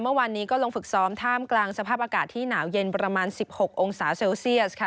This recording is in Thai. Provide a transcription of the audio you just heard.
เมื่อวานนี้ก็ลงฝึกซ้อมท่ามกลางสภาพอากาศที่หนาวเย็นประมาณ๑๖องศาเซลเซียสค่ะ